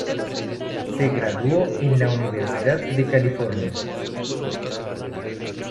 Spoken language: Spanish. Se graduó en la Universidad de California.